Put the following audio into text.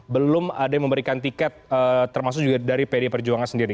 belum ada yang memberikan tiket termasuk juga dari pd perjuangan sendiri